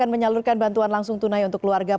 dan menyalurkan bantuan langsung tunai untuk keluarga